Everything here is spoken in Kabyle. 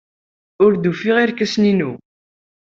Ur d-ufiɣ irkasen-inu.